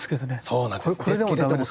そうなんですね。